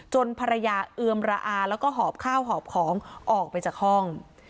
ภรรยาเอือมระอาแล้วก็หอบข้าวหอบของออกไปจากห้อง